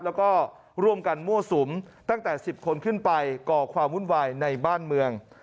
แล้วก็ร่วมกันมั่วสุมตั้งแต่๑๐คนขึ้นไปก่อความวุ่นวายในบ้านเมือง